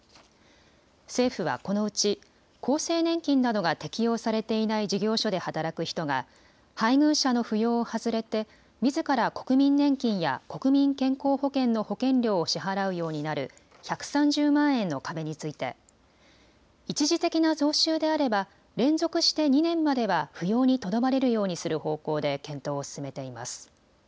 政府はこのうち厚生年金などが適用されていない事業所で働く人が配偶者の扶養を外れてみずから国民年金や国民健康保険の保険料を支払うようになる１３０万円の壁について一時的な増収であれば連続して２年までは扶養にとどまれるようにする方向で検討を進めています。